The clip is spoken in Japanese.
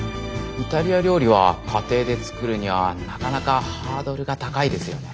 イタリア料理は家庭で作るにはなかなかハードルが高いですよね。